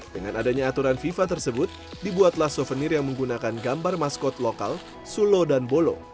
dengan adanya aturan fifa tersebut dibuatlah souvenir yang menggunakan gambar maskot lokal sulo dan bolo